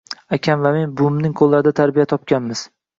Akam va men buvimning qo`llarida tarbiya topganmiz